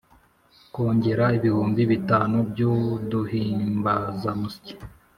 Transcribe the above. kongera ibihumbi bitanu by’uduhimbazamusyi